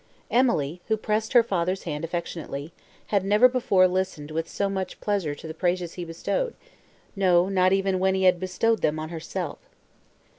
Emily, who pressed her father's hand affectionately, had never before listened with so much pleasure to the praises he bestowed; no, not even when he had bestowed them on herself.